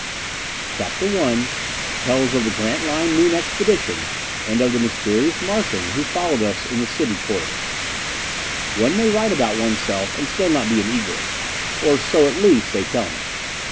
CHAPTER I Tells of the Grantline Moon Expedition and of the Mysterious Martian Who Followed Us in the City Corridor One may write about oneself and still not be an egoist. Or so, at least, they tell me.